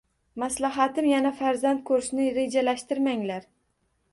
Maslahatim, yana farzand ko`rishni rejalashtirmanglar